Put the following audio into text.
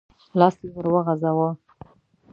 لاس يې ور وغځاوه.